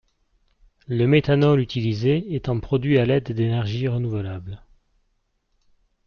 Le méthanol utilisé étant produit à l'aide d'énergies renouvelables.